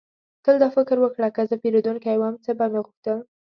تل دا فکر وکړه: که زه پیرودونکی وم، څه به مې غوښتل؟